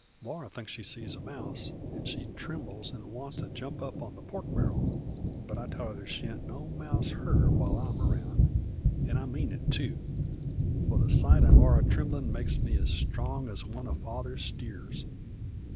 Laura thinks she sees a mouse, an' she trembles an' wants to jump up on the pork bar'l, but I tell her that there sha'n't no mouse hurt her while I'm round; and I mean it, too, for the sight of Laura a tremblin' makes me as strong as one of Father's steers.